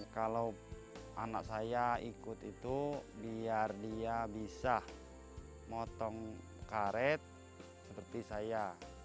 kalau anak saya ikut itu biar dia bisa motong karet seperti saya